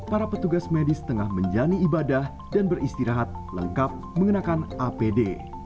para petugas medis tengah menjalani ibadah dan beristirahat lengkap mengenakan apd